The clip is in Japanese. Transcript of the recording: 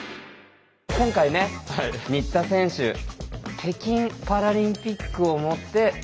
今回ね新田選手北京パラリンピックをもって。